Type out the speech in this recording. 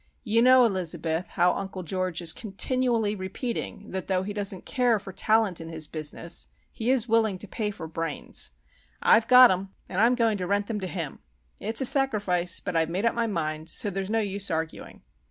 "You know, Elizabeth, how Uncle George is continually repeating that though he doesn't care for talent in his business he is willing to pay for 'brains.' I've got 'em, and I'm going to rent them to him! It's a sacrifice, but I've made up my mind, so there's no use arguing."